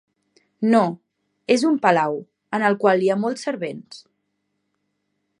No, és un palau, en el qual hi ha molts servents.